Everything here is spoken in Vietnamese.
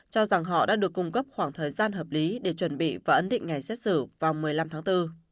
cho rằng họ đã được cung cấp khoảng thời gian hợp lý để chuẩn bị và ấn định ngày xét xử vào một mươi năm tháng bốn